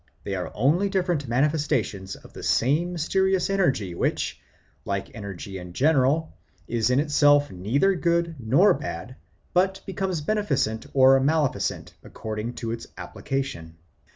They are only different manifestations of the same mysterious energy which, like energy in general, is in itself neither good nor bad, but becomes beneficent or maleficent according to its application.